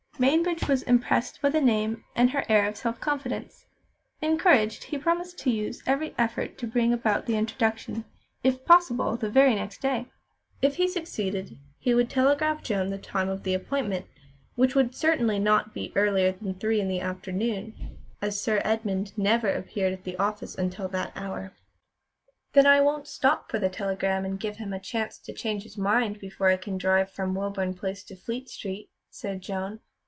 Mainbridge was impressed by the name and her air of self confidence. Encouraged, he promised to use every effort to bring about the introduction, if possible the very next day. If he succeeded, he would telegraph Joan the time of the appointment, which would certainly not be earlier than three in the afternoon, as Sir Edmund never appeared at the office until that hour. "Then I won't stop for the telegram and give him a chance to change his mind before I can drive from Woburn Place to Fleet Street," said Joan.